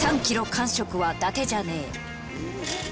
３キロ完食はだてじゃねえ！